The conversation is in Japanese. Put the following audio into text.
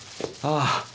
ああ。